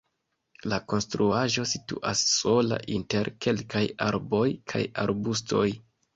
La konstruaĵo situas sola inter kelkaj arboj kaj arbustoj.